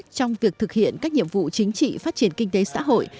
trong việc thực hiện các nhiệm vụ chính trị phát triển kinh tế xã hội